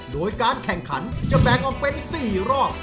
โดยการแข่งขันจะแบ่งออกเป็น๔รอบ